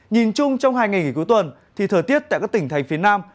nhìn chung trong hai ngày nghỉ cuối tuần thì thời tiết tại các tỉnh thành phía nam